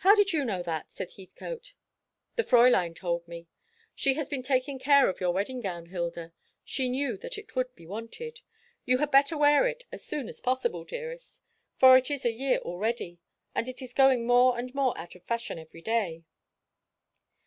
"How did you know that?" asked Heathcote. "The Fräulein told me. She has been taking care of your wedding gown, Hilda. She knew that it would be wanted. You had better wear it as soon as possible, dearest. It is a year old already; and it is going more and more out of fashion every day."